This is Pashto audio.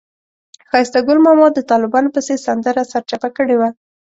ښایسته ګل ماما د طالبانو پسې سندره سرچپه کړې وه.